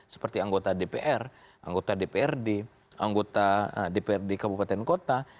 seperti anggota dpr anggota dprd anggota dprd kabupaten kota